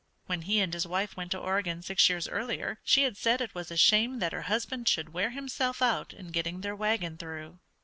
When he and his wife went to Oregon six years earlier she had said it was a shame that her husband should wear himself out in getting their wagon through.